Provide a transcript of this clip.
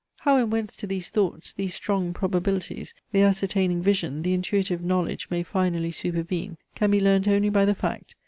How and whence to these thoughts, these strong probabilities, the ascertaining vision, the intuitive knowledge may finally supervene, can be learnt only by the fact.